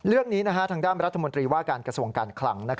เรื่องนี้ทางด้านรัฐมนตรีว่าการกระทรวงการคลัง